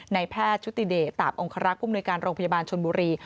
แพทย์ชุติเดชตาบองคารักษ์ผู้มนุยการโรงพยาบาลชนบุรี